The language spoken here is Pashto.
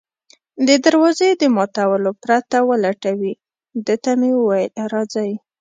د دروازې د ماتولو پرته ولټوي، ده ته مې وویل: راځئ.